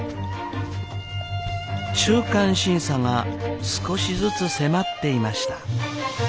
中間審査が少しずつ迫っていました。